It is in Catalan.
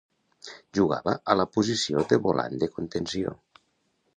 Jugava a la posició de volant de contenció.